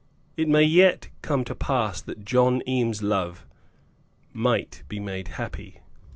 It might yet come to pass that John Eames' love might be made happy.